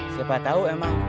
siapa tahu emang